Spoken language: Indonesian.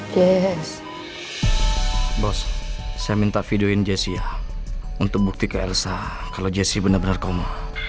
yes bos saya minta videoin jessy ya untuk bukti ke elsa kalau jessy benar benar koma